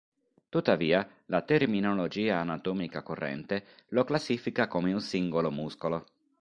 Tuttavia, la terminologia anatomica corrente lo classifica come un singolo muscolo.